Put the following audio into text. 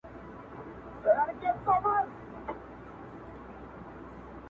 او ستا د خوب مېلمه به.